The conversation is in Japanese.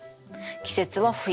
季節は冬。